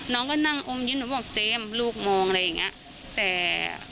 น้องก็นั่งอมยิ้มหนูบอกเจมส์ลูกมองอะไรอย่างเงี้ยแต่